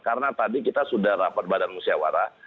karena tadi kita sudah rapat badan musyawarah